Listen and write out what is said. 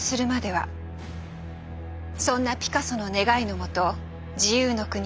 そんなピカソの願いのもと自由の国